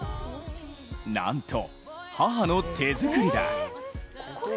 なんと母の手作りだ。